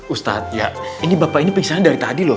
ustadz ya ini bapak ini pingsan dari tadi loh